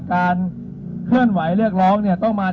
ก็วันนี้ที่เราแถลงนะครับเราตั้งใจจะเชิญชัวร์ร่านส่วนข้างบนที่นี่นะครับ